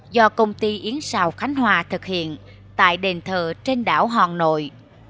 do công ty yến xào khánh hòa thực hiện tại đền thờ trên đảo hòn nội